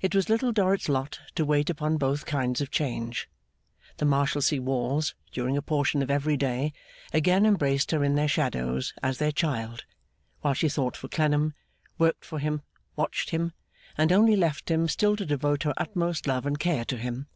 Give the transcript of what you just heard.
It was Little Dorrit's lot to wait upon both kinds of change. The Marshalsea walls, during a portion of every day, again embraced her in their shadows as their child, while she thought for Clennam, worked for him, watched him, and only left him, still to devote her utmost love and care to him.